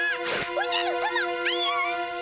おじゃるさま危うし！